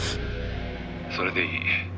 「それでいい。